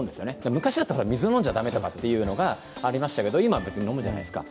昔だったら水飲んじゃ駄目というのがありましたけど、今は別に飲むじゃないですか。